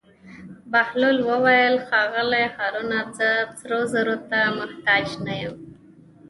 بهلول وویل: ښاغلی هارونه زه سرو زرو ته محتاج نه یم.